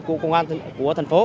của công an thành phố